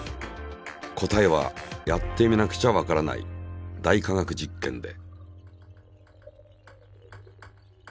答えはやってみなくちゃわからない「大科学実験」で。